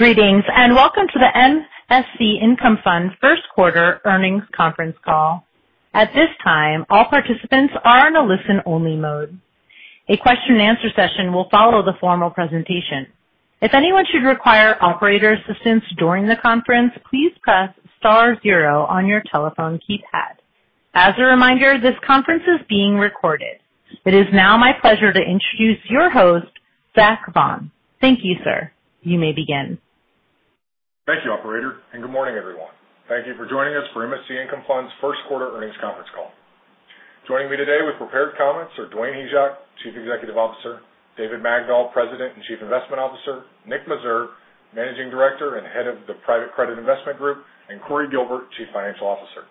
Greetings, and welcome to the MSC Income Fund first quarter earnings conference call. At this time, all participants are in a listen-only mode. A question and answer session will follow the formal presentation. If anyone should require operator assistance during the conference, please press star zero on your telephone keypad. As a reminder, this conference is being recorded. It is now my pleasure to introduce your host, Zach Vaughan. Thank you, sir. You may begin. Thank you, operator, and good morning, everyone. Thank you for joining us for MSC Income Fund's first quarter earnings conference call. Joining me today with prepared comments are Dwayne Hyzak, Chief Executive Officer, David Magdol, President and Chief Investment Officer, Nick Meserve, Managing Director and Head of the Private Credit Investment Group, and Cory Gilbert, Chief Financial Officer.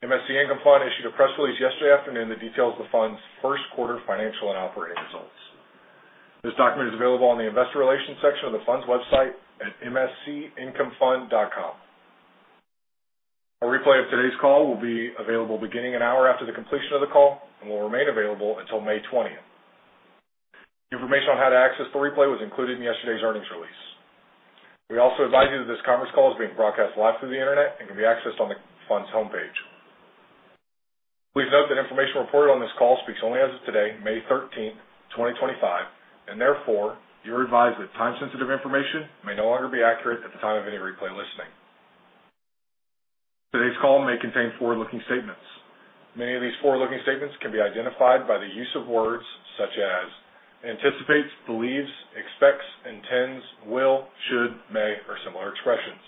MSC Income Fund issued a press release yesterday afternoon that details the fund's first quarter financial and operating results. This document is available on the investor relations section of the fund's website at mscincomefund.com. A replay of today's call will be available beginning an hour after the completion of the call and will remain available until May 20th. The information on how to access the replay was included in yesterday's earnings release. We also advise you that this conference call is being broadcast live through the internet and can be accessed on the fund's homepage. Please note that information reported on this call speaks only as of today, May 13th, 2025, and therefore, you're advised that time-sensitive information may no longer be accurate at the time of any replay listening. Today's call may contain forward-looking statements. Many of these forward-looking statements can be identified by the use of words such as anticipates, believes, expects, intends, will, should, may, or similar expressions.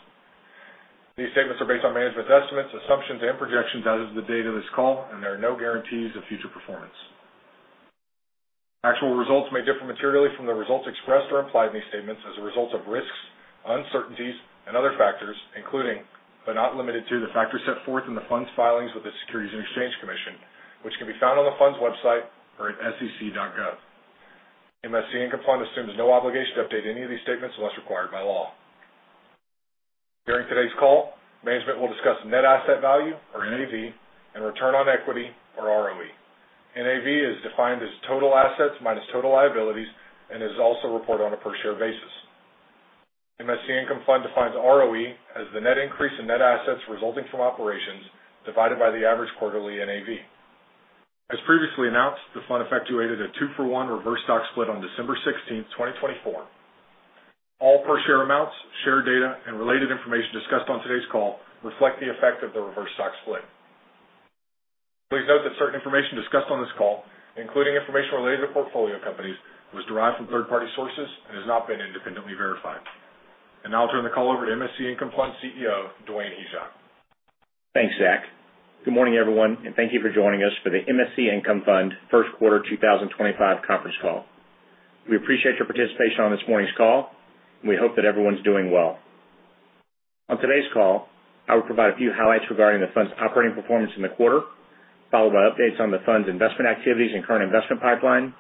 These statements are based on management's estimates, assumptions, and projections as of the date of this call, and there are no guarantees of future performance. Actual results may differ materially from the results expressed or implied in these statements as a result of risks, uncertainties, and other factors, including, but not limited to, the factors set forth in the fund's filings with the Securities and Exchange Commission, which can be found on the fund's website or at sec.gov. MSC Income Fund assumes no obligation to update any of these statements unless required by law. During today's call, management will discuss net asset value or NAV and return on equity or ROE. NAV is defined as total assets minus total liabilities and is also reported on a per share basis. MSC Income Fund defines ROE as the net increase in net assets resulting from operations divided by the average quarterly NAV. As previously announced, the fund effectuated a two-for-one reverse stock split on December 16th, 2024. All per share amounts, share data, and related information discussed on today's call reflect the effect of the reverse stock split. Please note that certain information discussed on this call, including information related to portfolio companies, was derived from third-party sources and has not been independently verified. Now I'll turn the call over to MSC Income Fund CEO, Dwayne Hyzak. Thanks, Zach. Good morning, everyone, and thank you for joining us for the MSC Income Fund first quarter 2025 conference call. We appreciate your participation on this morning's call, and we hope that everyone's doing well. On today's call, I will provide a few highlights regarding the fund's operating performance in the quarter, followed by updates on the fund's investment activities and current investment pipeline,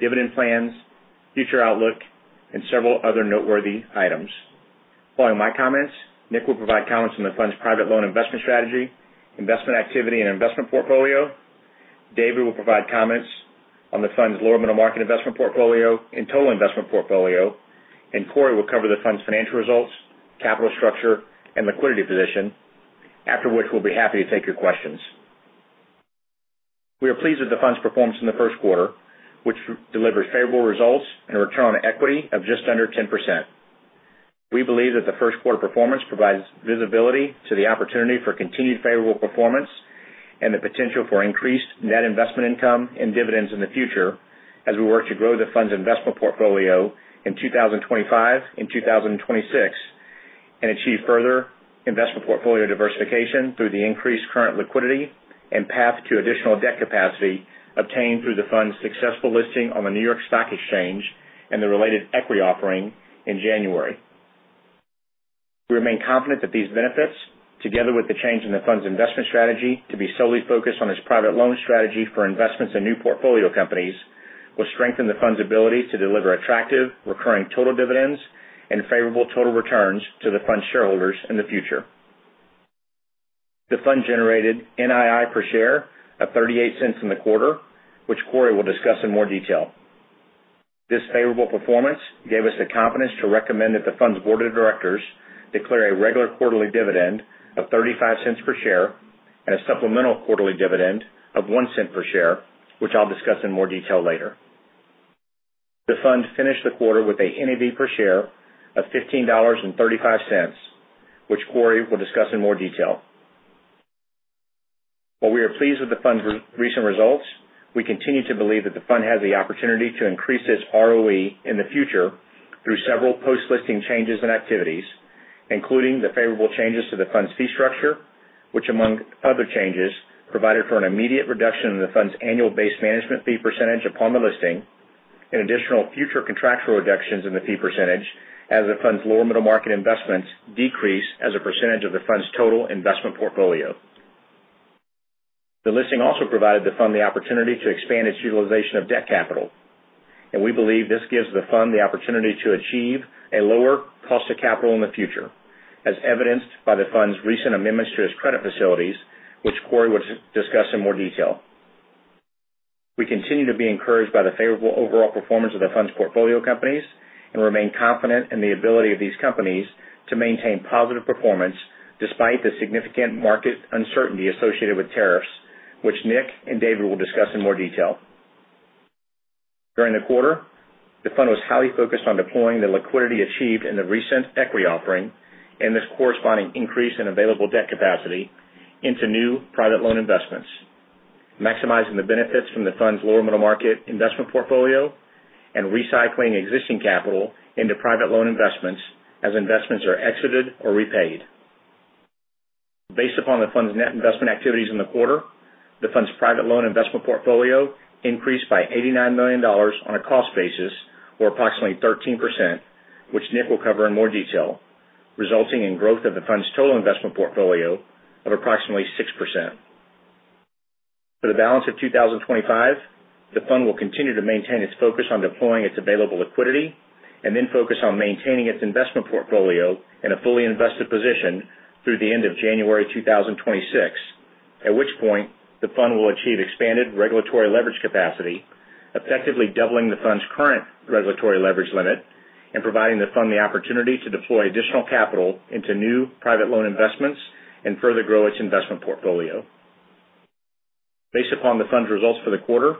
dividend plans, future outlook, and several other noteworthy items. Following my comments, Nick will provide comments on the fund's private loan investment strategy, investment activity, and investment portfolio. David will provide comments on the fund's lower middle market investment portfolio and total investment portfolio. Cory will cover the fund's financial results, capital structure, and liquidity position. After which, we'll be happy to take your questions. We are pleased with the fund's performance in the first quarter, which delivered favorable results and a return on equity of just under 10%. We believe that the first quarter performance provides visibility to the opportunity for continued favorable performance and the potential for increased net investment income and dividends in the future as we work to grow the fund's investment portfolio in 2025 and 2026 and achieve further investment portfolio diversification through the increased current liquidity and path to additional debt capacity obtained through the fund's successful listing on the New York Stock Exchange and the related equity offering in January. We remain confident that these benefits, together with the change in the fund's investment strategy to be solely focused on its private loan strategy for investments in new portfolio companies, will strengthen the fund's ability to deliver attractive recurring total dividends and favorable total returns to the fund's shareholders in the future. The fund generated NII per share of $0.38 in the quarter, which Cory will discuss in more detail. This favorable performance gave us the confidence to recommend that the fund's board of directors declare a regular quarterly dividend of $0.35 per share and a supplemental quarterly dividend of $0.01 per share, which I'll discuss in more detail later. The fund finished the quarter with a NAV per share of $15.35, which Cory will discuss in more detail. While we are pleased with the fund's recent results, we continue to believe that the fund has the opportunity to increase its ROE in the future through several post-listing changes and activities, including the favorable changes to the fund's fee structure, which, among other changes, provided for an immediate reduction in the fund's annual base management fee percentage upon the listing, and additional future contractual reductions in the fee percentage as the fund's lower middle market investments decrease as a percentage of the fund's total investment portfolio. The listing also provided the fund the opportunity to expand its utilization of debt capital, and we believe this gives the fund the opportunity to achieve a lower cost of capital in the future, as evidenced by the fund's recent amendments to its credit facilities, which Cory will discuss in more detail. We continue to be encouraged by the favorable overall performance of the fund's portfolio companies, and remain confident in the ability of these companies to maintain positive performance despite the significant market uncertainty associated with tariffs, which Nick and David will discuss in more detail. During the quarter, the fund was highly focused on deploying the liquidity achieved in the recent equity offering and this corresponding increase in available debt capacity into new private loan investments, maximizing the benefits from the fund's lower middle market investment portfolio, and recycling existing capital into private loan investments as investments are exited or repaid. Based upon the fund's net investment activities in the quarter, the fund's private loan investment portfolio increased by $89 million on a cost basis, or approximately 13%, which Nick will cover in more detail, resulting in growth of the fund's total investment portfolio of approximately 6%. For the balance of 2025, the fund will continue to maintain its focus on deploying its available liquidity and then focus on maintaining its investment portfolio in a fully invested position through the end of January 2026, at which point the fund will achieve expanded regulatory leverage capacity, effectively doubling the fund's current regulatory leverage limit and providing the fund the opportunity to deploy additional capital into new private loan investments and further grow its investment portfolio. Based upon the fund's results for the quarter,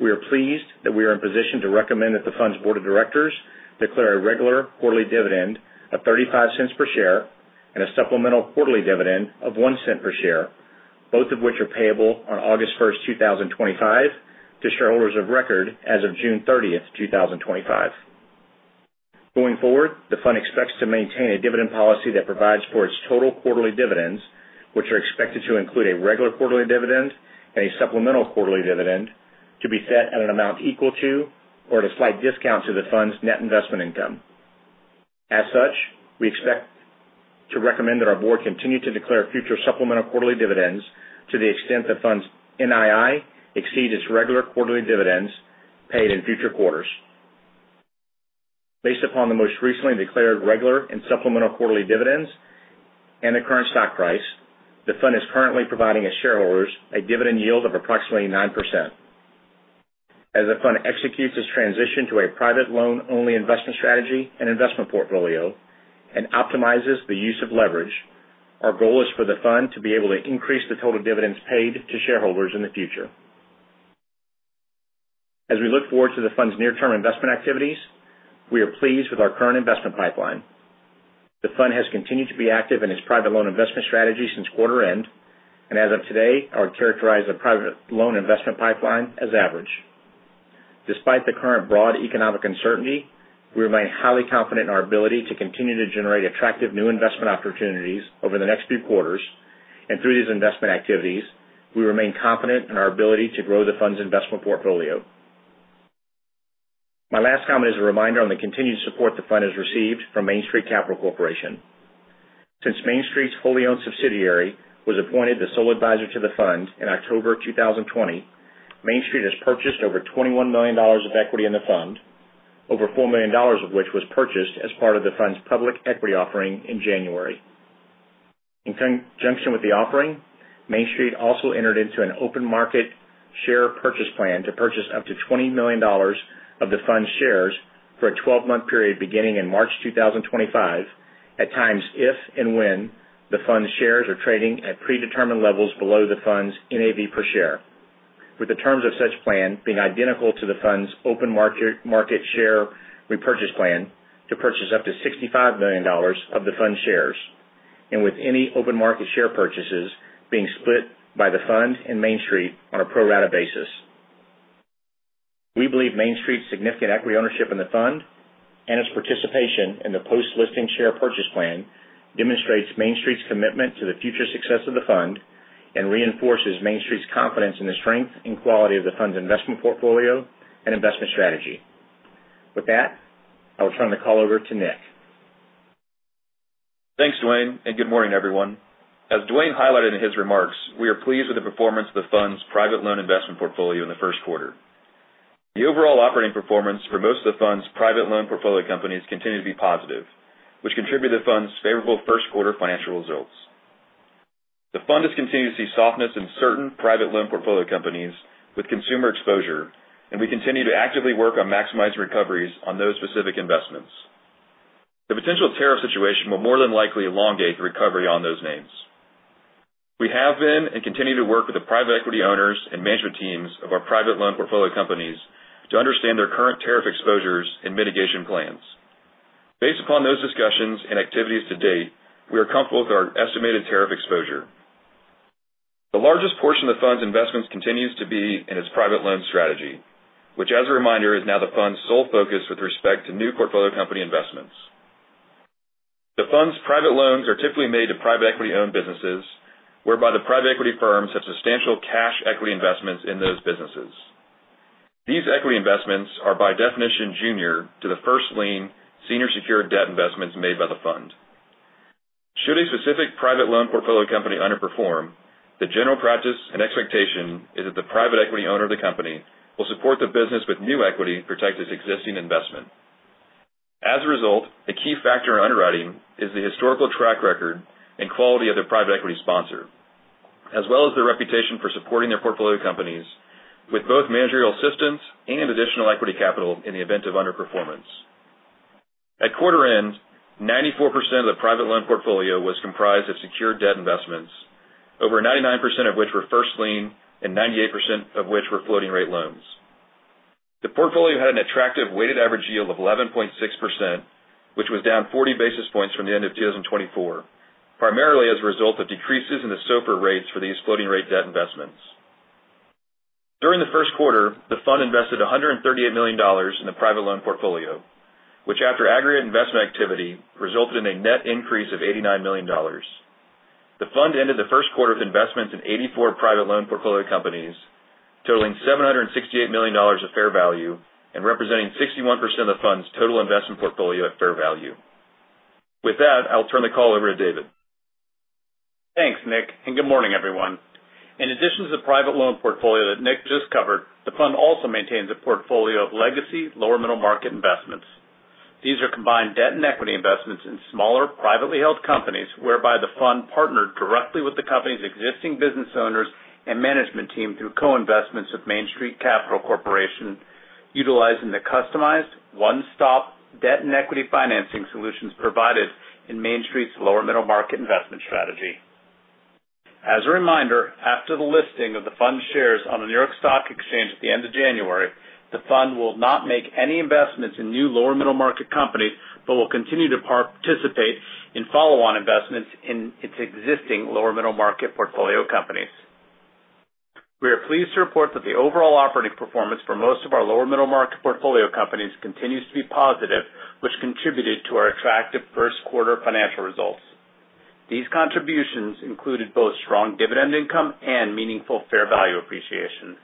we are pleased that we are in position to recommend that the fund's board of directors declare a regular quarterly dividend of $0.35 per share and a supplemental quarterly dividend of $0.01 per share, both of which are payable on August 1st, 2025, to shareholders of record as of June 30th, 2025. Going forward, the fund expects to maintain a dividend policy that provides for its total quarterly dividends, which are expected to include a regular quarterly dividend and a supplemental quarterly dividend to be set at an amount equal to or at a slight discount to the fund's net investment income. As such, we expect to recommend that our board continue to declare future supplemental quarterly dividends to the extent the fund's NII exceed its regular quarterly dividends paid in future quarters. Based upon the most recently declared regular and supplemental quarterly dividends and the current stock price, the fund is currently providing its shareholders a dividend yield of approximately 9%. As the fund executes its transition to a private loan-only investment strategy and investment portfolio and optimizes the use of leverage, our goal is for the fund to be able to increase the total dividends paid to shareholders in the future. As we look forward to the fund's near-term investment activities, we are pleased with our current investment pipeline. The fund has continued to be active in its private loan investment strategy since quarter end, as of today, I would characterize the private loan investment pipeline as average. Despite the current broad economic uncertainty, we remain highly confident in our ability to continue to generate attractive new investment opportunities over the next few quarters. Through these investment activities, we remain confident in our ability to grow the fund's investment portfolio. My last comment is a reminder on the continued support the fund has received from Main Street Capital Corporation. Since Main Street's fully owned subsidiary was appointed the sole advisor to the fund in October 2020, Main Street has purchased over $21 million of equity in the fund, over $4 million of which was purchased as part of the fund's public equity offering in January. In conjunction with the offering, Main Street also entered into an open market share purchase plan to purchase up to $20 million of the fund shares for a 12-month period beginning in March 2025, at times if and when the fund shares are trading at predetermined levels below the fund's NAV per share. With the terms of such plan being identical to the fund's open market share repurchase plan to purchase up to $65 million of the fund shares, with any open market share purchases being split by the fund and Main Street on a pro rata basis. We believe Main Street's significant equity ownership in the fund and its participation in the post-listing share purchase plan demonstrates Main Street's commitment to the future success of the fund and reinforces Main Street's confidence in the strength and quality of the fund's investment portfolio and investment strategy. With that, I will turn the call over to Nick. Thanks, Dwayne, good morning, everyone. As Dwayne highlighted in his remarks, we are pleased with the performance of the fund's private loan investment portfolio in the first quarter. The overall operating performance for most of the fund's private loan portfolio companies continue to be positive, which contribute to the fund's favorable first quarter financial results. The fund has continued to see softness in certain private loan portfolio companies with consumer exposure, we continue to actively work on maximizing recoveries on those specific investments. The potential tariff situation will more than likely elongate the recovery on those names. We have been and continue to work with the private equity owners and management teams of our private loan portfolio companies to understand their current tariff exposures and mitigation plans. Based upon those discussions and activities to date, we are comfortable with our estimated tariff exposure. The largest portion of the fund's investments continues to be in its private loan strategy, which as a reminder, is now the fund's sole focus with respect to new portfolio company investments. The fund's private loans are typically made to private equity-owned businesses, whereby the private equity firms have substantial cash equity investments in those businesses. These equity investments are by definition junior to the first lien senior secured debt investments made by the fund. Should a specific private loan portfolio company underperform, the general practice and expectation is that the private equity owner of the company will support the business with new equity to protect its existing investment. As a result, the key factor in underwriting is the historical track record and quality of the private equity sponsor. As well as their reputation for supporting their portfolio companies with both managerial assistance and additional equity capital in the event of underperformance. At quarter end, 94% of the private loan portfolio was comprised of secured debt investments, over 99% of which were first lien, and 98% of which were floating rate loans. The portfolio had an attractive weighted average yield of 11.6%, which was down 40 basis points from the end of 2024, primarily as a result of decreases in the SOFR rates for these floating rate debt investments. During the first quarter, the fund invested $138 million in the private loan portfolio, which after aggregate investment activity resulted in a net increase of $89 million. The fund ended the first quarter with investments in 84 private loan portfolio companies totaling $768 million of fair value and representing 61% of the fund's total investment portfolio at fair value. With that, I'll turn the call over to David. Thanks, Nick, and good morning, everyone. In addition to the private loan portfolio that Nick just covered, the fund also maintains a portfolio of legacy lower middle market investments. These are combined debt and equity investments in smaller, privately held companies, whereby the fund partnered directly with the company's existing business owners and management team through co-investments with Main Street Capital Corporation, utilizing the customized one-stop debt and equity financing solutions provided in Main Street's lower middle market investment strategy. As a reminder, after the listing of the fund shares on the New York Stock Exchange at the end of January, the fund will not make any investments in new lower middle market companies, but will continue to participate in follow-on investments in its existing lower middle market portfolio companies. We are pleased to report that the overall operating performance for most of our lower middle market portfolio companies continues to be positive, which contributed to our attractive first quarter financial results. These contributions included both strong dividend income and meaningful fair value appreciation.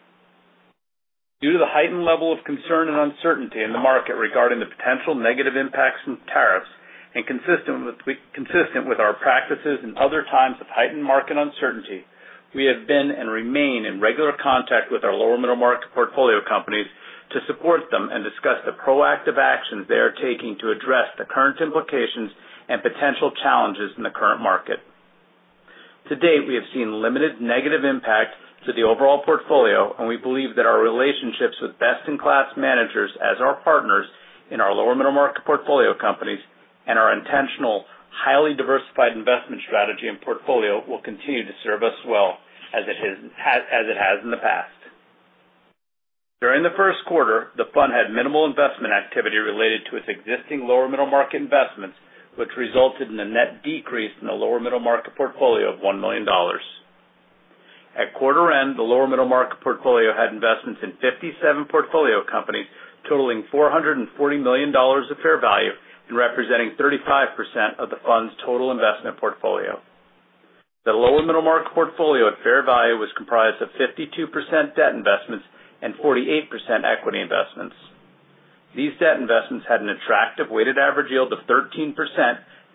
Due to the heightened level of concern and uncertainty in the market regarding the potential negative impacts from tariffs, and consistent with our practices in other times of heightened market uncertainty, we have been and remain in regular contact with our lower middle market portfolio companies to support them and discuss the proactive actions they are taking to address the current implications and potential challenges in the current market. To date, we have seen limited negative impact to the overall portfolio. We believe that our relationships with best-in-class managers as our partners in our lower middle market portfolio companies and our intentional, highly diversified investment strategy and portfolio will continue to serve us well as it has in the past. During the first quarter, the fund had minimal investment activity related to its existing lower middle market investments, which resulted in a net decrease in the lower middle market portfolio of $1 million. At quarter end, the lower middle market portfolio had investments in 57 portfolio companies totaling $440 million of fair value and representing 35% of the fund's total investment portfolio. The lower middle market portfolio at fair value was comprised of 52% debt investments and 48% equity investments. These debt investments had an attractive weighted average yield of 13%,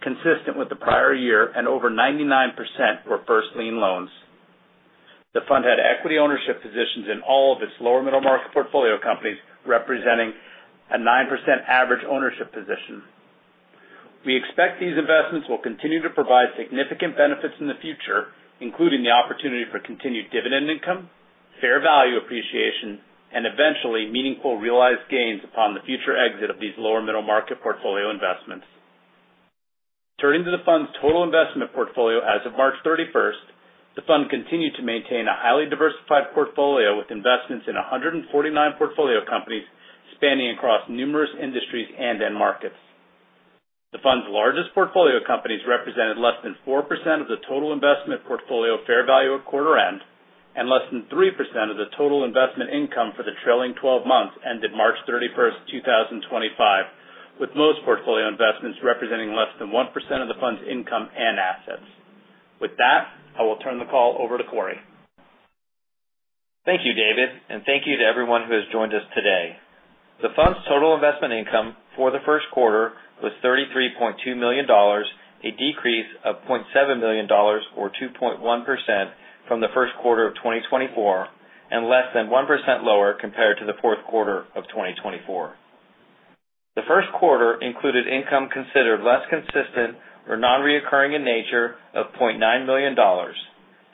consistent with the prior year. Over 99% were first lien loans. The fund had equity ownership positions in all of its lower middle market portfolio companies, representing a 9% average ownership position. We expect these investments will continue to provide significant benefits in the future, including the opportunity for continued dividend income, fair value appreciation, and eventually meaningful realized gains upon the future exit of these lower middle market portfolio investments. Turning to the fund's total investment portfolio as of March 31st, the fund continued to maintain a highly diversified portfolio with investments in 149 portfolio companies spanning across numerous industries and end markets. The fund's largest portfolio companies represented less than 4% of the total investment portfolio fair value at quarter end. Less than 3% of the total investment income for the trailing 12 months ended March 31st, 2025, with most portfolio investments representing less than 1% of the fund's income and assets. With that, I will turn the call over to Corey. Thank you, David, and thank you to everyone who has joined us today. The fund's total investment income for the first quarter was $33.2 million, a decrease of $0.7 million, or 2.1% from the first quarter of 2024 and less than 1% lower compared to the fourth quarter of 2024. The first quarter included income considered less consistent or non-recurring in nature of $0.9 million.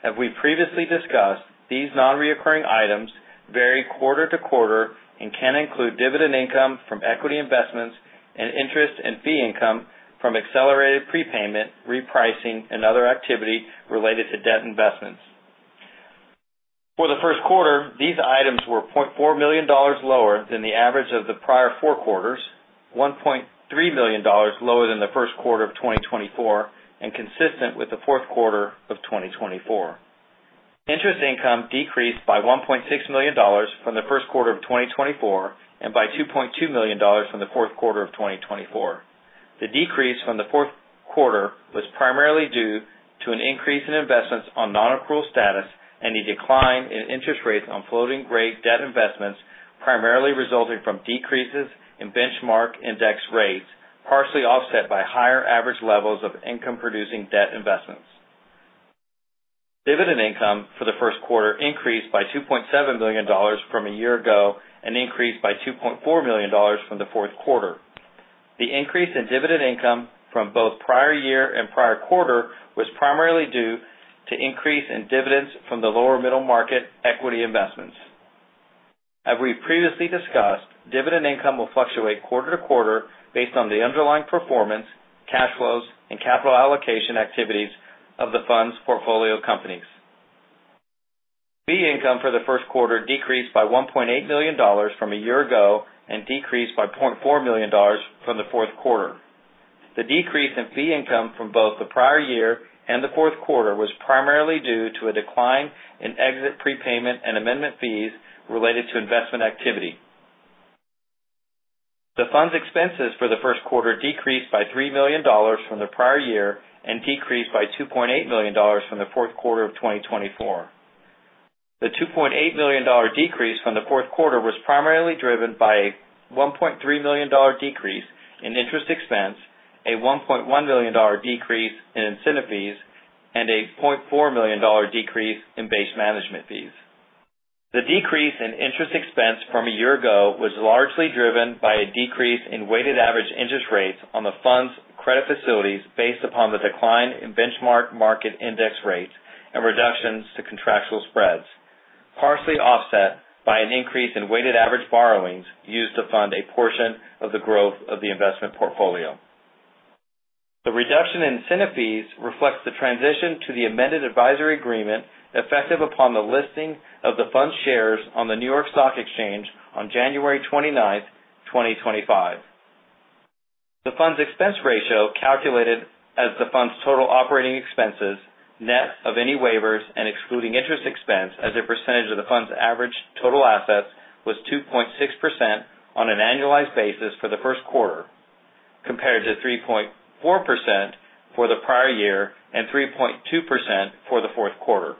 As we previously discussed, these non-recurring items vary quarter to quarter and can include dividend income from equity investments and interest and fee income from accelerated prepayment, repricing, and other activity related to debt investments. For the first quarter, these items were $0.4 million lower than the average of the prior four quarters, $1.3 million lower than the first quarter of 2024, and consistent with the fourth quarter of 2024. Interest income decreased by $1.6 million from the first quarter of 2024 and by $2.2 million from the fourth quarter of 2024. The decrease from the fourth quarter was primarily due to an increase in investments on non-accrual status and a decline in interest rates on floating rate debt investments, primarily resulting from decreases in benchmark index rates, partially offset by higher average levels of income-producing debt investments. Dividend income for the first quarter increased by $2.7 million from a year ago and increased by $2.4 million from the fourth quarter. The increase in dividend income from both prior year and prior quarter was primarily due to increase in dividends from the lower middle market equity investments. As we previously discussed, dividend income will fluctuate quarter to quarter based on the underlying performance, cash flows, and capital allocation activities of the fund's portfolio companies. Fee income for the first quarter decreased by $1.8 million from a year ago and decreased by $0.4 million from the fourth quarter. The decrease in fee income from both the prior year and the fourth quarter was primarily due to a decline in exit prepayment and amendment fees related to investment activity. The fund's expenses for the first quarter decreased by $3 million from the prior year and decreased by $2.8 million from the fourth quarter of 2024. The $2.8 million decrease from the fourth quarter was primarily driven by a $1.3 million decrease in interest expense, a $1.1 million decrease in incentive fees, and a $0.4 million decrease in base management fees. The decrease in interest expense from a year ago was largely driven by a decrease in weighted average interest rates on the fund's credit facilities based upon the decline in benchmark market index rates and reductions to contractual spreads, partially offset by an increase in weighted average borrowings used to fund a portion of the growth of the investment portfolio. The reduction in incentive fees reflects the transition to the amended advisory agreement effective upon the listing of the fund shares on the New York Stock Exchange on January 29th, 2025. The fund's expense ratio, calculated as the fund's total operating expenses, net of any waivers and excluding interest expense as a percentage of the fund's average total assets, was 2.6% on an annualized basis for the first quarter, compared to 3.4% for the prior year and 3.2% for the fourth quarter.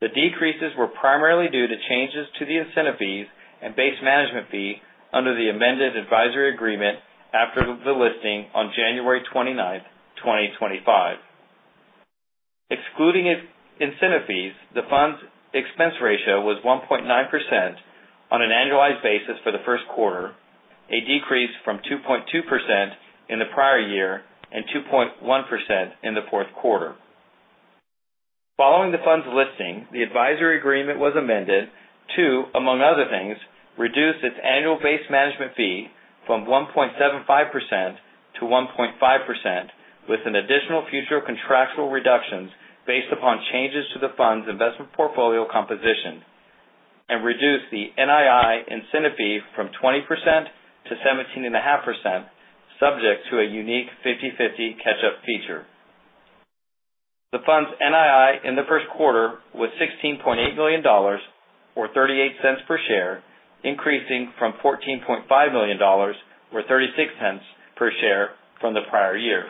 The decreases were primarily due to changes to the incentive fees and base management fee under the amended advisory agreement after the listing on January 29th, 2025. Excluding incentive fees, the fund's expense ratio was 1.9% on an annualized basis for the first quarter, a decrease from 2.2% in the prior year and 2.1% in the fourth quarter. Following the fund's listing, the advisory agreement was amended to, among other things, reduce its annual base management fee from 1.75% to 1.5%, with an additional future contractual reductions based upon changes to the fund's investment portfolio composition, and reduce the NII incentive fee from 20% to 17.5%, subject to a unique 50/50 catch-up feature. The fund's NII in the first quarter was $16.8 million, or $0.38 per share, increasing from $14.5 million, or $0.36 per share from the prior year.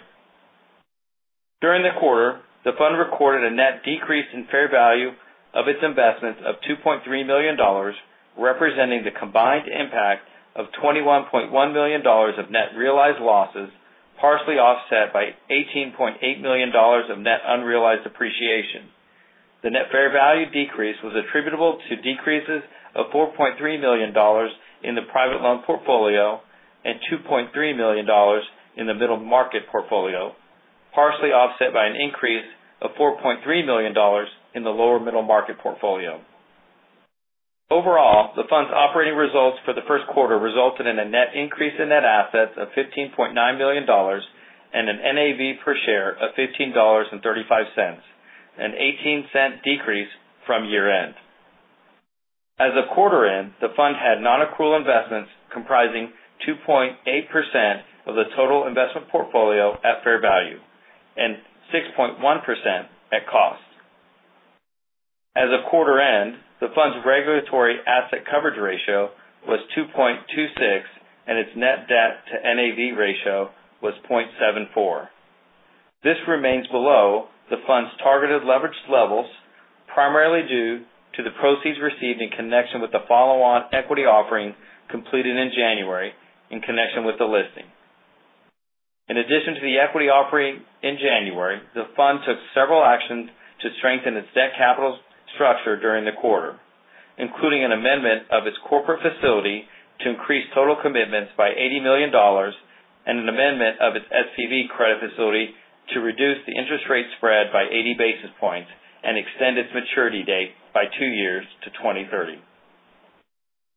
During the quarter, the fund recorded a net decrease in fair value of its investments of $2.3 million, representing the combined impact of $21.1 million of net realized losses, partially offset by $18.8 million of net unrealized appreciation. The net fair value decrease was attributable to decreases of $4.3 million in the private loan portfolio and $2.3 million in the middle market portfolio, partially offset by an increase of $4.3 million in the lower middle market portfolio. Overall, the fund's operating results for the first quarter resulted in a net increase in net assets of $15.9 million and an NAV per share of $15.35, a $0.18 decrease from year-end. As of quarter end, the fund had non-accrual investments comprising 2.8% of the total investment portfolio at fair value and 6.1% at cost. As of quarter end, the fund's regulatory asset coverage ratio was 2.26, and its net debt to NAV ratio was 0.74. This remains below the fund's targeted leverage levels, primarily due to the proceeds received in connection with the follow-on equity offering completed in January in connection with the listing. In addition to the equity offering in January, the fund took several actions to strengthen its debt capital structure during the quarter, including an amendment of its Corporate Facility to increase total commitments by $80 million and an amendment of its SPV credit facility to reduce the interest rate spread by 80 basis points and extend its maturity date by two years to 2030.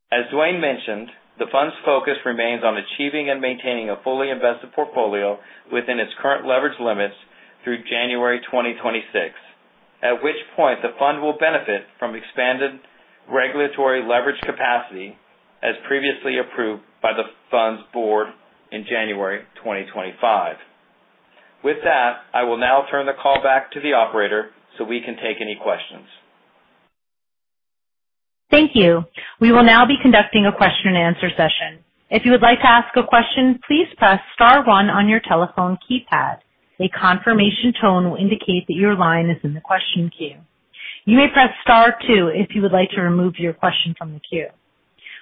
As Dwayne mentioned, the fund's focus remains on achieving and maintaining a fully invested portfolio within its current leverage limits through January 2026, at which point the fund will benefit from expanded regulatory leverage capacity as previously approved by the fund's board in January 2025. With that, I will now turn the call back to the operator so we can take any questions. Thank you. We will now be conducting a question and answer session. If you would like to ask a question, please press star one on your telephone keypad. A confirmation tone will indicate that your line is in the question queue. You may press star two if you would like to remove your question from the queue.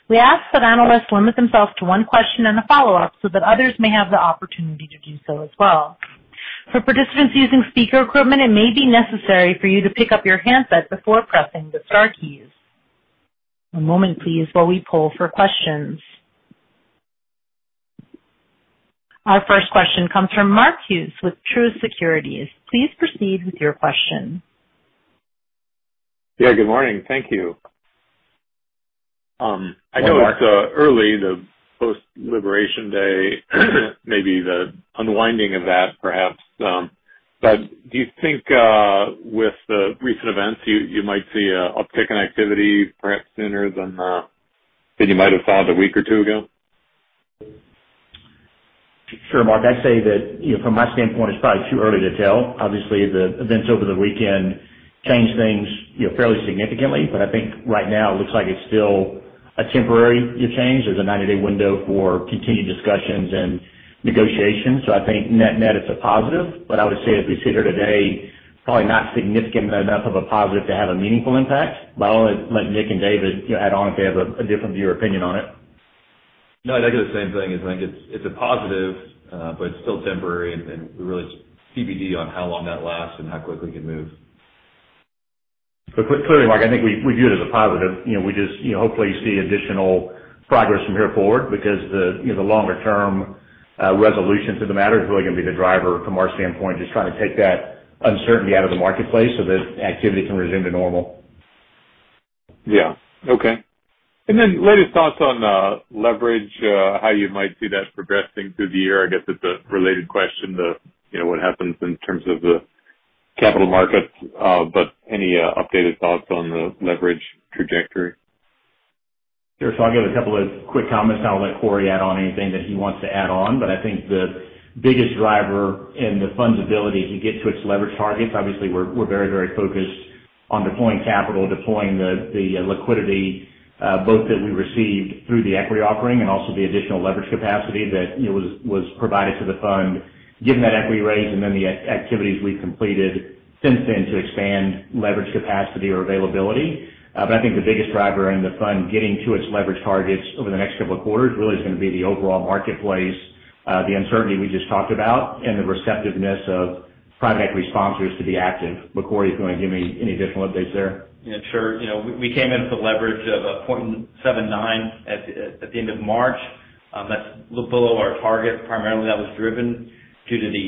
We ask that analysts limit themselves to one question and a follow-up so that others may have the opportunity to do so as well. For participants using speaker equipment, it may be necessary for you to pick up your handset before pressing the star keys. One moment please, while we poll for questions. Our first question comes from Mark Hughes with Truist Securities. Please proceed with your question. Yeah, good morning. Thank you. Hello, Mark. I know it's early, the post-Liberation Day, maybe the unwinding of that perhaps, but do you think with the recent events, you might see an uptick in activity perhaps sooner than you might have thought a week or two ago? Sure, Mark. I'd say that from my standpoint, it's probably too early to tell. Obviously, the events over the weekend changed things fairly significantly, I think right now it looks like it's still a temporary change. There's a 90-day window for continued discussions and negotiations. I think net-net it's a positive. I would say as we sit here today, probably not significant enough of a positive to have a meaningful impact. I'll let Nick and David add on if they have a different view or opinion on it. I'd say the same thing is, I think it's a positive, but it's still temporary and really TBD on how long that lasts and how quickly it can move. Clearly, Mark, I think we view it as a positive. We just hopefully see additional progress from here forward because the longer term resolution to the matter is really going to be the driver from our standpoint, just trying to take that uncertainty out of the marketplace so that activity can resume to normal. Yeah. Okay. Latest thoughts on leverage, how you might see that progressing through the year. I guess it's a related question to what happens in terms of the capital markets, but any updated thoughts on the leverage trajectory? I'll give a couple of quick comments, and I'll let Cory add on anything that he wants to add on. I think the biggest driver in the fund's ability to get to its leverage targets, obviously, we're very, very focused on deploying capital, deploying the liquidity, both that we received through the equity offering and also the additional leverage capacity that was provided to the fund, given that equity raise and then the activities we've completed since then to expand leverage capacity or availability. I think the biggest driver in the fund getting to its leverage targets over the next couple of quarters really is going to be the overall marketplace, the uncertainty we just talked about, and the receptiveness of private equity sponsors to be active. Cory, if you want to give any additional updates there. Yeah, sure. We came in with a leverage of 0.79 at the end of March. That's below our target. Primarily, that was driven due to the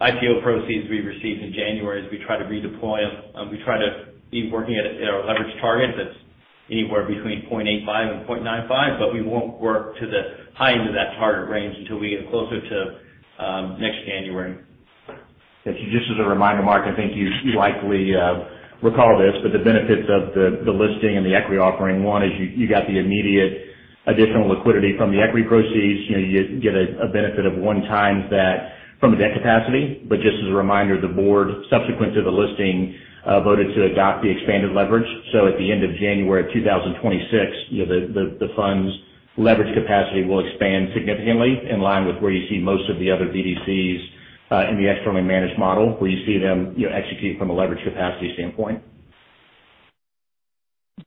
IPO proceeds we received in January as we try to redeploy them. We try to be working at our leverage target that's anywhere between 0.85 and 0.95. We won't work to the high end of that target range until we get closer to next January. Just as a reminder, Mark, I think you likely recall this. The benefits of the listing and the equity offering, one is you got the immediate additional liquidity from the equity proceeds. You get a benefit of one times that from a debt capacity. Just as a reminder, the board, subsequent to the listing, voted to adopt the expanded leverage. At the end of January of 2026, the fund's leverage capacity will expand significantly in line with where you see most of the other BDCs in the externally managed model, where you see them execute from a leverage capacity standpoint.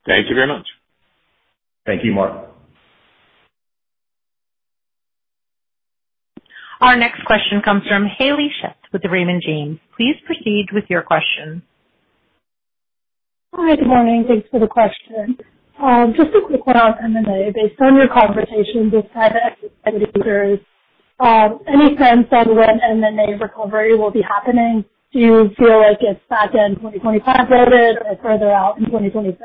Thank you very much. Thank you, Mark. Our next question comes from Hayley Schiff with Raymond James. Please proceed with your question. Hi. Good morning. Thanks for the question. Just a quick one on M&A. Based on your conversation with private equity users, any sense on when M&A recovery will be happening? Do you feel like it's back-end 2025 loaded or further out in 2026?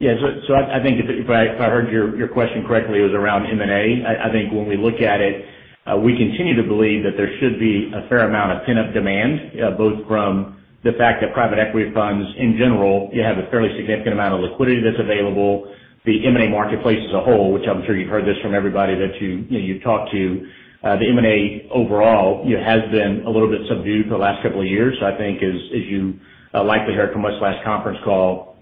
Yeah. I think if I heard your question correctly, it was around M&A. I think when we look at it, we continue to believe that there should be a fair amount of pent-up demand, both from the fact that private equity funds in general, you have a fairly significant amount of liquidity that's available. The M&A marketplace as a whole, which I'm sure you've heard this from everybody that you talk to, the M&A overall has been a little bit subdued for the last couple of years. I think as you likely heard from us last conference call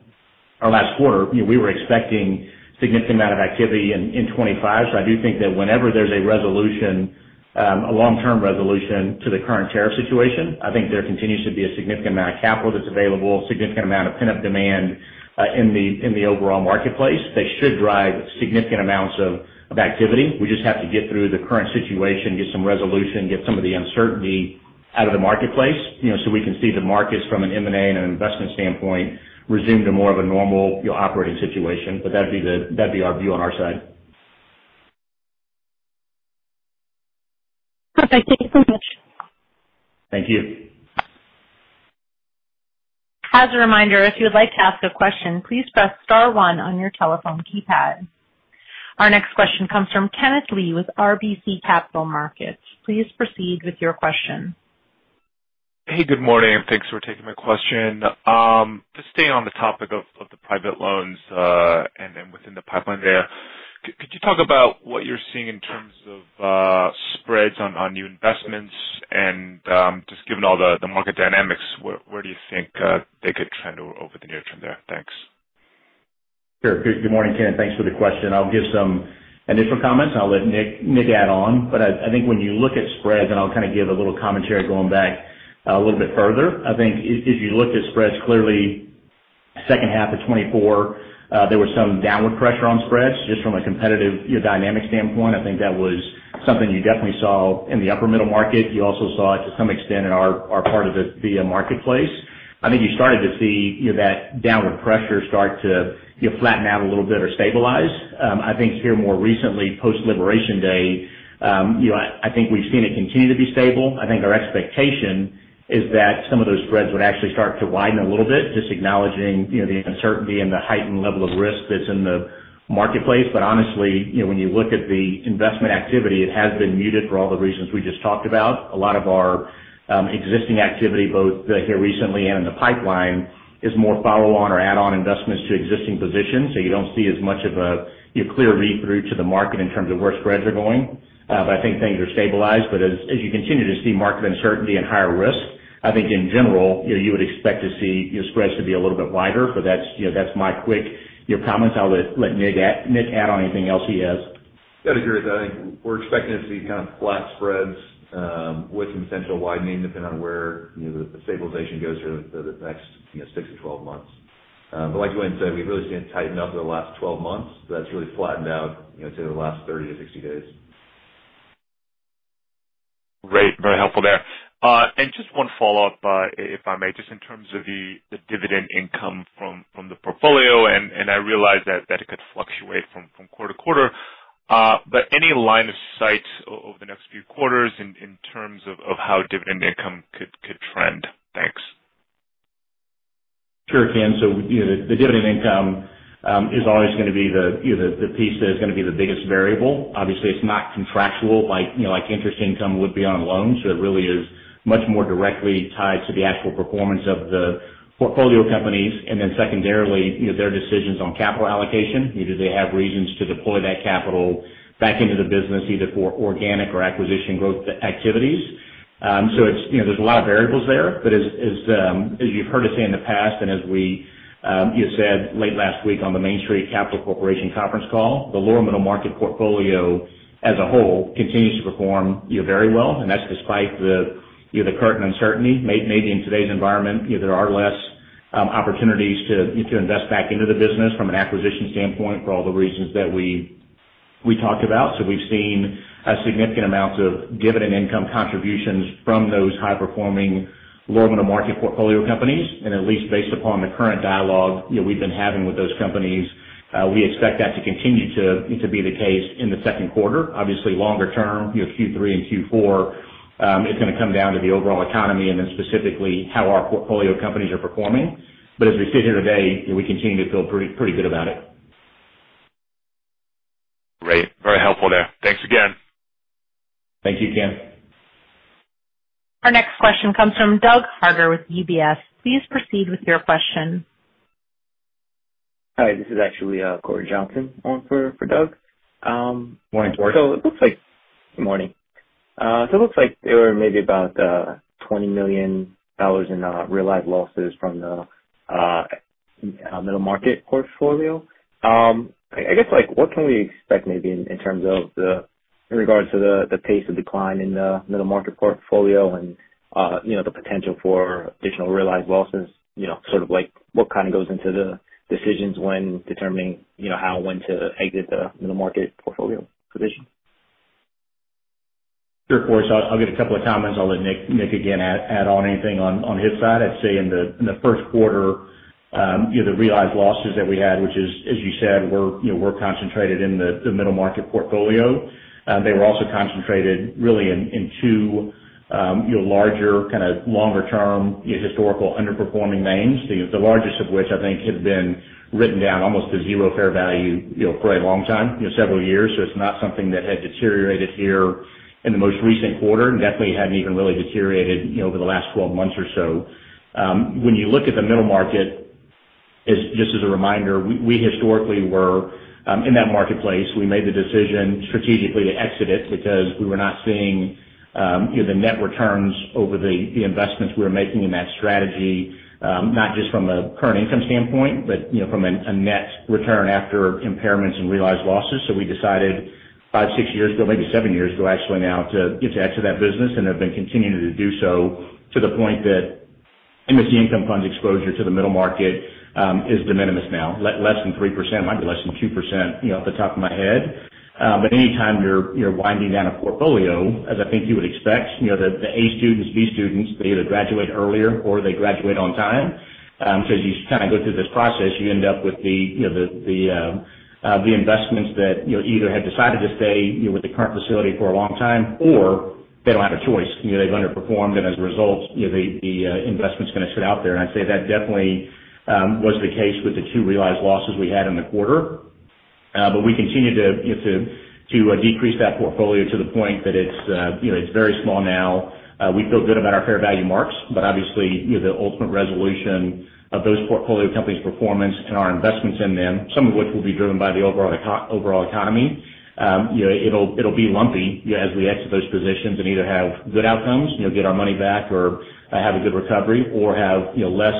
or last quarter, we were expecting significant amount of activity in 2025. I do think that whenever there's a resolution, a long-term resolution to the current tariff situation, I think there continues to be a significant amount of capital that's available, significant amount of pent-up demand in the overall marketplace that should drive significant amounts of activity. We just have to get through the current situation, get some resolution, get some of the uncertainty out of the marketplace, so we can see the markets from an M&A and an investment standpoint resume to more of a normal operating situation. That'd be our view on our side. Perfect. Thank you so much. Thank you. As a reminder, if you would like to ask a question, please press star one on your telephone keypad. Our next question comes from Kenneth Lee with RBC Capital Markets. Please proceed with your question. Good morning, and thanks for taking my question. Just staying on the topic of the private loans, then within the pipeline there. Could you talk about what you're seeing in terms of spreads on new investments? Just given all the market dynamics, where do you think they could trend over the near term there? Thanks. Sure. Good morning, Kenneth. Thanks for the question. I'll give some initial comments. I'll let Nick add on. I think when you look at spreads, I'll kind of give a little commentary going back a little bit further. I think if you looked at spreads clearly, second half of 2024, there was some downward pressure on spreads just from a competitive dynamic standpoint. I think that was something you definitely saw in the upper middle market. You also saw it to some extent in our part of the marketplace. I think you started to see that downward pressure start to flatten out a little bit or stabilize. I think here more recently, post Liberation Day, I think we've seen it continue to be stable. I think our expectation is that some of those spreads would actually start to widen a little bit, just acknowledging the uncertainty and the heightened level of risk that's in the marketplace. Honestly, when you look at the investment activity, it has been muted for all the reasons we just talked about. A lot of our existing activity, both here recently and in the pipeline, is more follow-on or add-on investments to existing positions. You don't see as much of a clear read-through to the market in terms of where spreads are going. I think things are stabilized. As you continue to see market uncertainty and higher risk, I think in general, you would expect to see your spreads to be a little bit wider, but that's my quick comments. I'll let Nick add on anything else he has. Got to agree with you. I think we're expecting to see kind of flat spreads with some potential widening, depending on where the stabilization goes for the next 6 to 12 months. Like Dwayne said, we've really seen it tighten up the last 12 months. That's really flattened out to the last 30 to 60 days. Great. Very helpful there. Just one follow-up, if I may, just in terms of the dividend income from the portfolio, and I realize that it could fluctuate from quarter to quarter. Any line of sight over the next few quarters in terms of how dividend income could trend? Thanks. Sure, Ken. The dividend income is always going to be the piece that is going to be the biggest variable. Obviously, it's not contractual like interest income would be on a loan. It really is much more directly tied to the actual performance of the portfolio companies. Then secondarily, their decisions on capital allocation. Either they have reasons to deploy that capital back into the business, either for organic or acquisition growth activities. There's a lot of variables there. As you've heard us say in the past, and as we said late last week on the Main Street Capital Corporation conference call, the lower middle market portfolio as a whole continues to perform very well. That's despite the current uncertainty. Maybe in today's environment, there are less opportunities to invest back into the business from an acquisition standpoint for all the reasons that we talked about. We've seen significant amounts of dividend income contributions from those high-performing lower middle market portfolio companies. At least based upon the current dialogue we've been having with those companies, we expect that to continue to be the case in the second quarter. Obviously, longer term, Q3 and Q4, it's going to come down to the overall economy and then specifically how our portfolio companies are performing. As we sit here today, we continue to feel pretty good about it. Great. Very helpful there. Thanks again. Thank you, Ken. Our next question comes from Doug Harter with UBS. Please proceed with your question. Hi, this is actually Corey Johnson on for Doug. Morning, Corey. Good morning. It looks like there were maybe about $20 million in realized losses from the middle market portfolio. I guess, what can we expect maybe in regards to the pace of decline in the middle market portfolio and the potential for additional realized losses? Sort of like what kind of goes into the decisions when determining how/when to exit the middle market portfolio position? Sure, Corey. I'll give a couple of comments. I'll let Nick again add on anything on his side. I'd say in the first quarter, the realized losses that we had, which is, as you said, were concentrated in the middle market portfolio. They were also concentrated really in two larger kind of longer term historical underperforming names. The largest of which I think had been written down almost to zero fair value for a long time, several years. It's not something that had deteriorated here in the most recent quarter, and definitely hadn't even really deteriorated over the last 12 months or so. When you look at the middle market, just as a reminder, we historically were in that marketplace. We made the decision strategically to exit it because we were not seeing the net returns over the investments we were making in that strategy. Not just from a current income standpoint, but from a net return after impairments and realized losses. We decided five, six years ago, maybe seven years ago actually now to exit that business and have been continuing to do so to the point that MSC Income Fund's exposure to the middle market is de minimis now. Less than 3%, might be less than 2%, off the top of my head. Any time you're winding down a portfolio, as I think you would expect, the A students, B students, they either graduate earlier or they graduate on time. As you kind of go through this process, you end up with the investments that either had decided to stay with the current facility for a long time or they don't have a choice. They've underperformed and as a result, the investment's going to sit out there. I'd say that definitely was the case with the two realized losses we had in the quarter. We continue to decrease that portfolio to the point that it's very small now. We feel good about our fair value marks, but obviously, the ultimate resolution of those portfolio companies' performance and our investments in them, some of which will be driven by the overall economy. It'll be lumpy as we exit those positions and either have good outcomes, get our money back or have a good recovery or have less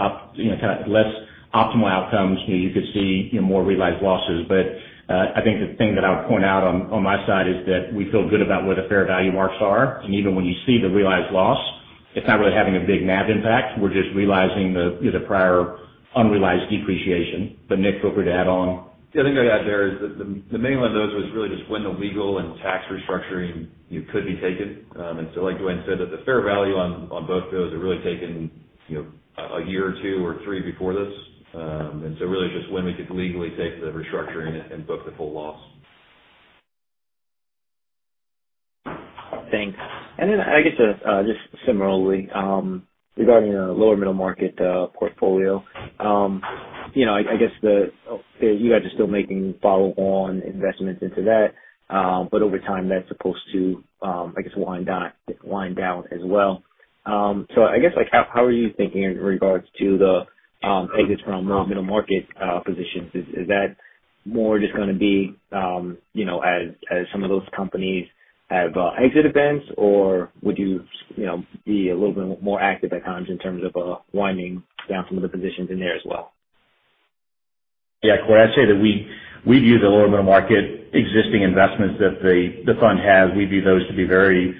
optimal outcomes. You could see more realized losses. I think the thing that I would point out on my side is that we feel good about where the fair value marks are. Even when you see the realized loss It's not really having a big NAV impact. We're just realizing the prior unrealized depreciation. Nick, feel free to add on. The other thing I'd add there is the main one of those was really just when the legal and tax restructuring could be taken. Like Dwayne said, the fair value on both those had really taken a year or two or three before this. Really it's just when we could legally take the restructuring and book the full loss. Thanks. I guess, just similarly, regarding the lower middle market portfolio. I guess you guys are still making follow-on investments into that, but over time, that's supposed to, I guess, wind down as well. How are you thinking in regards to the exits from lower middle market positions? Is that more just going to be as some of those companies have exit events, or would you be a little bit more active at times in terms of winding down some of the positions in there as well? Yeah, Corey, I'd say that we view the lower middle market existing investments that the fund has, we view those to be very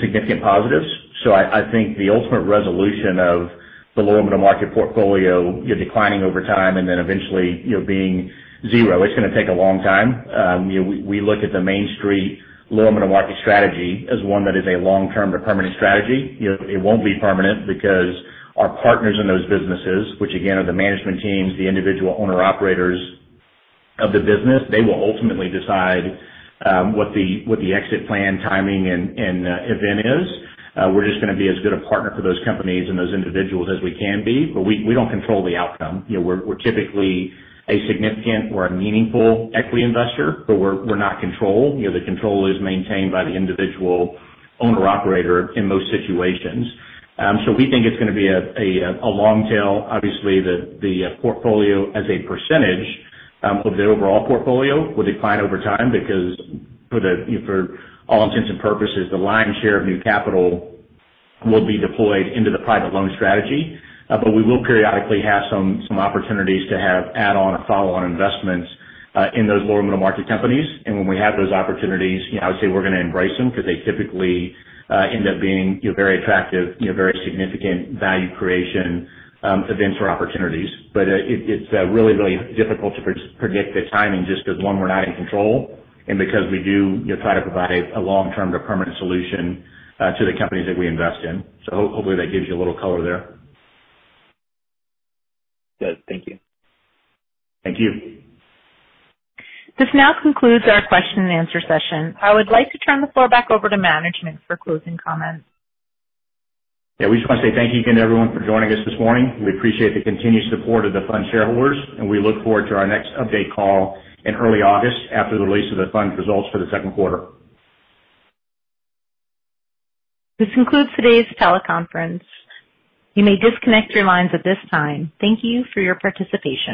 significant positives. I think the ultimate resolution of the lower middle market portfolio declining over time and then eventually being zero, it's going to take a long time. We look at the Main Street lower middle market strategy as one that is a long-term to permanent strategy. It won't be permanent because our partners in those businesses, which again, are the management teams, the individual owner-operators of the business, they will ultimately decide what the exit plan timing and event is. We're just going to be as good a partner for those companies and those individuals as we can be, but we don't control the outcome. We're typically a significant or a meaningful equity investor, but we're not control. The control is maintained by the individual owner-operator in most situations. We think it's going to be a long tail. Obviously, the portfolio as a percentage of the overall portfolio will decline over time because for all intents and purposes, the lion's share of new capital will be deployed into the private loan strategy. We will periodically have some opportunities to have add-on or follow-on investments in those lower middle market companies. When we have those opportunities, I would say we're going to embrace them because they typically end up being very attractive, very significant value creation events or opportunities. It's really, really difficult to predict the timing just because, one, we're not in control and because we do try to provide a long-term to permanent solution to the companies that we invest in. Hopefully that gives you a little color there. Good. Thank you. Thank you. This now concludes our question and answer session. I would like to turn the floor back over to management for closing comments. We just want to say thank you again to everyone for joining us this morning. We appreciate the continued support of the fund shareholders, and we look forward to our next update call in early August after the release of the fund's results for the second quarter. This concludes today's teleconference. You may disconnect your lines at this time. Thank you for your participation.